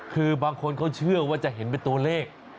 คือบางคนเขาเชื่อว่าจะเห็นเป็นตัวเลข